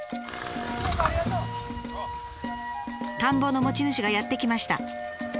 田んぼの持ち主がやって来ました。